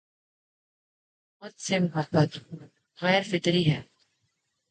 موت سے محبت غیر فطری ہے۔